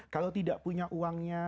kalau tidak punya uangnya